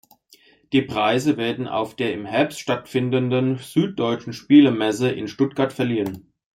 Die Preise werden auf der im Herbst stattfindenden Süddeutschen Spielemesse in Stuttgart verliehen.